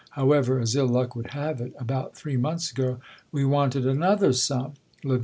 However, as ill luck would have it, about three months ago, we wanted another sum Lav.